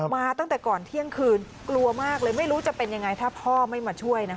มาตั้งแต่ก่อนเที่ยงคืนกลัวมากเลยไม่รู้จะเป็นยังไงถ้าพ่อไม่มาช่วยนะคะ